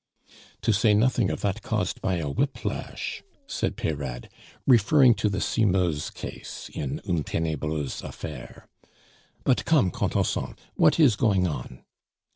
"To say nothing of that caused by a whip lash," said Peyrade, referring to the Simeuse case. (In Une Tenebreuse affaire.) "But come, Contenson, what is going on?"